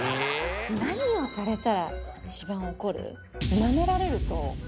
何をされたら一番怒る？